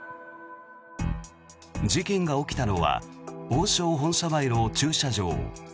事件が起きたのは王将本社前の駐車場。